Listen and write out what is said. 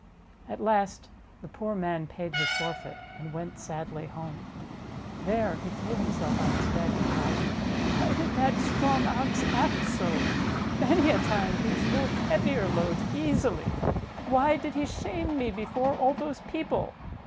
At last the poor man paid his forfeit, and went sadly "Get along, you rascal." home. There he threw himself on his bed and cried: "Why did that strong Ox act so? Many a time he has moved heavier loads easily. Why did he shame me before all those people?"